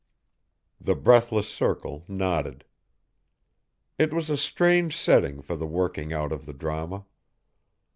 The breathless circle nodded. It was a strange setting for the working out of the drama.